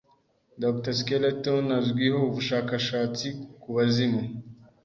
Dr. Skeleton azwiho ubushakashatsi ku bazimu.